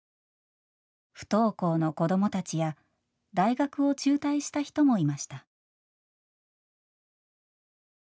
不登校の子供たちや大学を中退した人もいました。